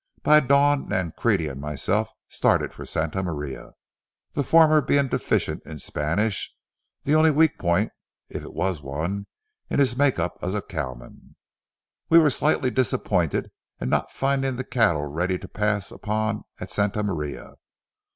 By dawn Nancrede and myself started for Santa Maria, the former being deficient in Spanish, the only weak point, if it was one, in his make up as a cowman. We were slightly disappointed in not finding the cattle ready to pass upon at Santa Maria.